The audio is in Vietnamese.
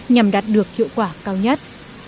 nhằm đạt được hiệu quả cao nhất